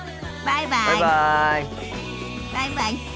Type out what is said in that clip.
バイバイ。